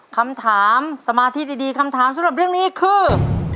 คำถามสมาธิดีคำถามสำหรับเรื่องนี้คือ